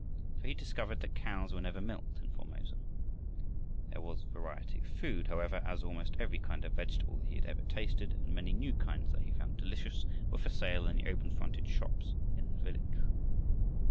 For he discovered that cows were never milked in Formosa. There was variety of food, however, as almost every kind of vegetable that he had ever tasted and many new kinds that he found delicious were for sale in the open fronted shops in the village.